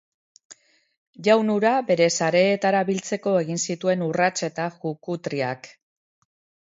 Jaun hura bere sareetara biltzeko egin zituen urrats eta jukutriak.